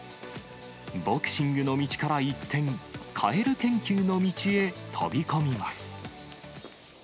ボクシングの道から一転、カエル研究の道へ飛び込みます。